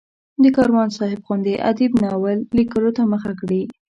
د کاروان صاحب غوندې ادیب ناول لیکلو ته مخه کړي.